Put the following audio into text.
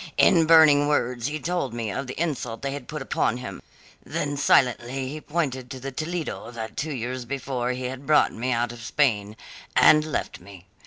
In burning words he told me of the insult they had put upon him, then silently he pointed to the Toledo that two years before he had brought me out of Spain, and left me.